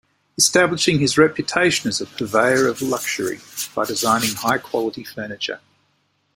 Establishing his reputation as a purveyor of luxury by designing high-quality furniture.